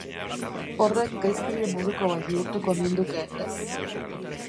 Horrek gaizkile moduko bat bihurtuko ninduke, ez?